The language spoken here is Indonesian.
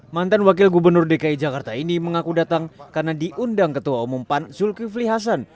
mantan wakil gubernur dki jakarta ini mengaku datang karena diundang ketua umum pan zulkifli hasan